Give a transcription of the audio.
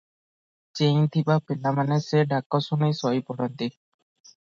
ଚେଇଁଥିବା ପିଲା ମାନେ ସେ ଡାକଶୁଣି ଶୋଇପଡ଼ନ୍ତି ।